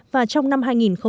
và trong năm hai nghìn hai mươi